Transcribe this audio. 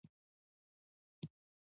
تاریخ د خپل ولس د ښکلا انځور دی.